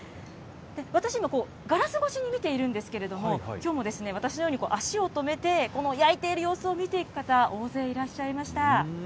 私、今、ガラス越しに見ているんですけれども、きょうも私のように足を止めて、この焼いている様子を見ていく方、大勢いらっしゃいました。